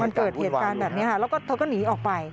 มันเกิดเหตุการณ์แบบนี้ค่ะแล้วก็เธอก็หนีออกไป